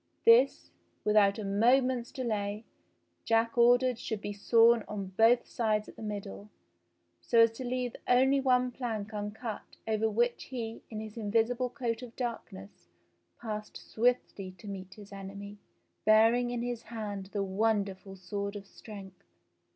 This, without a moment's delay. Jack ordered should be sawn on both sides at the middle, so as to leave only one plank uncut over which he in his invisible coat of darkness passed swiftly to meet 96 his enemy, bearing in his hand the wonderful sword of strength.